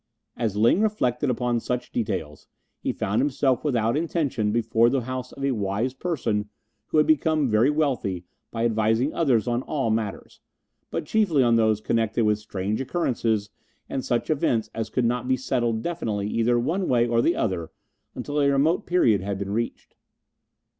As Ling reflected upon such details he found himself without intention before the house of a wise person who had become very wealthy by advising others on all matters, but chiefly on those connected with strange occurrences and such events as could not be settled definitely either one way or the other until a remote period had been reached.